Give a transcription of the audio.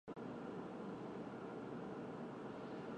主要人口是阿斯特拉罕鞑靼人与诺盖人。